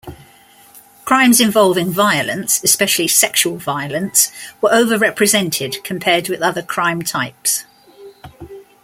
Crimes involving violence, especially sexual violence, were overrepresented compared with other crime types.